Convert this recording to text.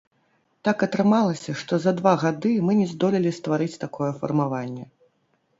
Так атрымалася, што за два гады мы не здолелі стварыць такое фармаванне.